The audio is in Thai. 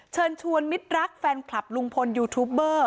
เชิญชวนมิตรรักแฟนคลับลุงพลยูทูปเบอร์